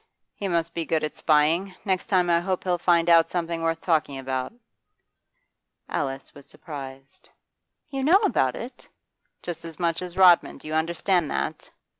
'He must be good at spying. Next time I hope he'll find out something worth talking about.' Alice was surprised. 'You know about it?' 'Just as much as Rodman, do you understand that?